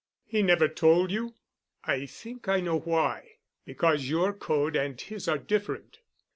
"He never told you? I think I know why. Because your code and his are different.